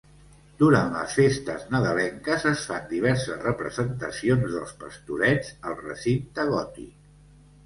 Durant les festes nadalenques es fan diverses representacions dels Pastorets al Recinte Gòtic.